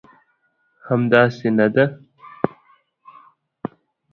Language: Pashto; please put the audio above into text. کمپيوټر فاصله حسابوي.